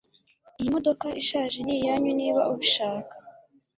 Iyi modoka ishaje niyanyu niba ubishaka